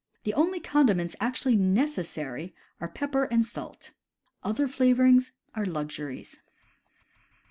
The only condiments actually necessary are pepper and salt. Other flavorings are luxuries.